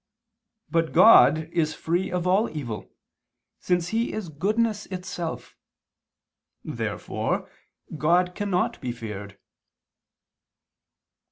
But God is free of all evil, since He is goodness itself. Therefore God cannot be feared.